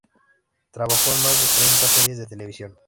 Trabajó en más de treinta series de televisión.